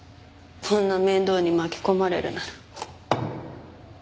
こんな面倒に巻き込まれるなら。